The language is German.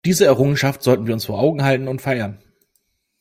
Diese Errungenschaft sollten wir uns vor Augen halten und feiern.